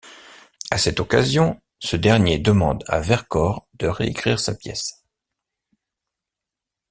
À cette occasion ce dernier demande à Vercors de réécrire sa pièce.